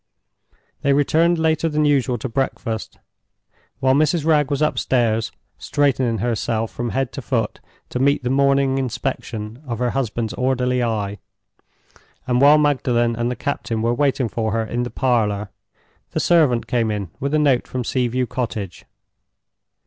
They returned later than usual to breakfast. While Mrs. Wragge was upstairs, straightening herself from head to foot to meet the morning inspection of her husband's orderly eye; and while Magdalen and the captain were waiting for her in the parlor, the servant came in with a note from Sea view Cottage.